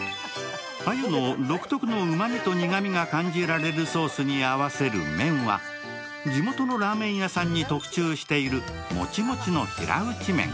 鮎の独特のうまみと苦みが感じられるソースに合わせる麺は地元のラーメン屋さんに特注しているもちもちの平打ち麺。